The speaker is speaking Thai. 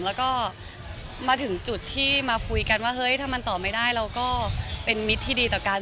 แล้วก็มาถึงจุดที่มาคุยกันว่าเฮ้ยถ้ามันต่อไม่ได้เราก็เป็นมิตรที่ดีต่อกัน